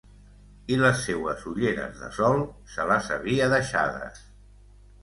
I les seues ulleres de sol, se les havia deixades!